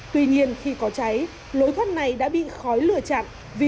tuy nhiên khi có cháy lối thoát này đã bị khói lửa chặn